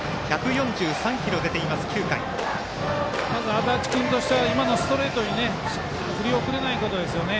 安達君としてはストレートに振り遅れないことですね。